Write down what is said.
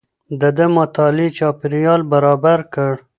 ده د مطالعې چاپېريال برابر کړ.